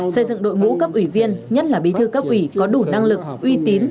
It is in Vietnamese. xây dựng đội ngũ cấp ủy viên nhất là bí thư cấp ủy có đủ năng lực uy tín